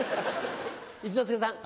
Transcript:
一之輔さん。